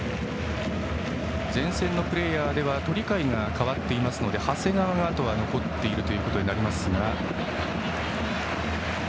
前線のプレーヤーでは鳥海が代わっていますのであとは長谷川が残っているということになりますが。